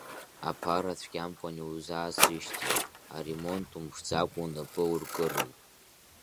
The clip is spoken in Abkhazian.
Аԥара цәгьамкәан иузаасышьҭит, аремонт умԥшӡакәа унапы ауркыроуп.